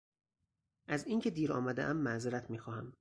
از اینکه دیر آمدهام معذرت میخواهم.